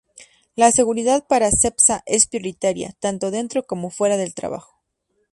La seguridad para Cepsa es prioritaria, tanto dentro como fuera del trabajo.